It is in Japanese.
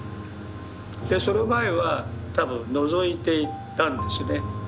その前は多分のぞいていたんですね。